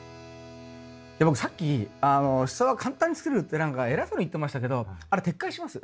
僕さっきシソは簡単に作れるって何か偉そうに言ってましたけどあれ撤回します。